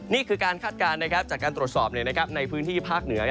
นี่คือการคาดการณ์จากการตรวจสอบในพื้นที่ภาคเหนือ